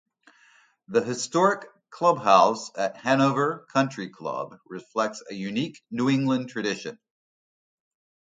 The historic clubhouse at Hanover Country Club reflects a unique New England tradition.